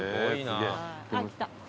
あっ来た。